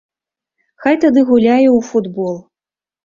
Хай тады гуляе ў футбол.